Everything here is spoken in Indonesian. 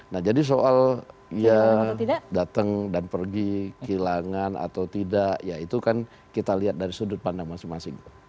nah jadi soal ya datang dan pergi kehilangan atau tidak ya itu kan kita lihat dari sudut pandang masing masing